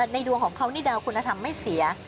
ดวงของเขานี่ดาวคุณธรรมไม่เสีย